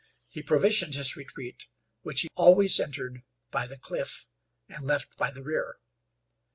He provisioned his retreat, which he always entered by the cliff and left by the rear.